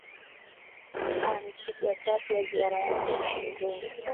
a ni siku ya tatu ya ziara yake nchini humo